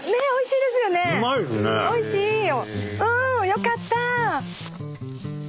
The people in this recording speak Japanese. よかった！